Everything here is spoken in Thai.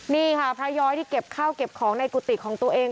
นี่ค่ะพระย้อยที่เก็บข้าวเก็บของในกุฏิของตัวเอง